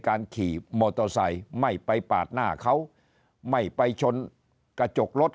การขี่โมโตไซยัยไม่ไปปาดหน้าเขาไม่ไปชนกระจกรถ